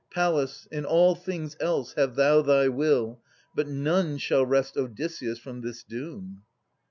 Pallas, in all things else have thou thy will, But none shall wrest Odysseus from this doom.